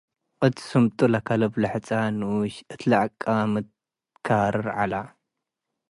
እት ስምጡ፡ ለከልብ ለሕጻን ንኡሽ እት ለዐቀምት ካርር ዐለ።